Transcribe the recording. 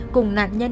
cùng nạn nhân